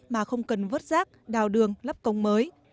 mà không cần vớt rác đào đường lắp công mới